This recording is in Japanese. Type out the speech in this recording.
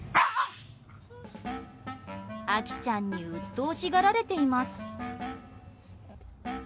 アキちゃんにうっとうしがられています。